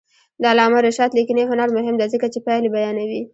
د علامه رشاد لیکنی هنر مهم دی ځکه چې پایلې بیانوي.